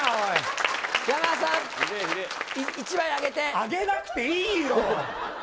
あげなくていいよ！